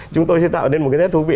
chúng tôi sẽ tạo nên một cái nét thú vị